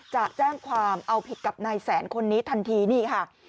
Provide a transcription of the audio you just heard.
จะแจ้งความเอาผิดกับนายแสนคนนี้ทันทีนี่ค่ะ